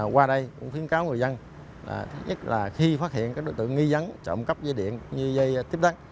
qua đây cũng khuyến cáo người dân thứ nhất là khi phát hiện các đối tượng nghi dấn trộm cắp dây điện như dây tiếp đắn